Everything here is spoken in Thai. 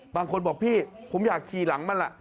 บางคนบอกพี่ผมอยากขี่หลังมันล่ะ